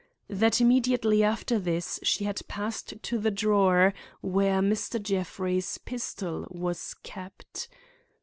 That immediately after this she had passed to the drawer where Mr. Jeffrey's pistol was kept.